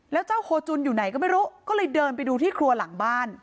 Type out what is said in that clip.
แล้วเจ้าโฮจุนอยู่ไหนก็ไม่รู้ก็เลยเดินไปดูที่ครัวหลังบ้าน